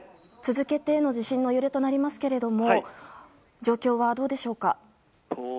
続けての地震の揺れとなりますけれども状況はどうでしょうか。